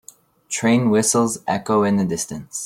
Train whistles echo in the distance.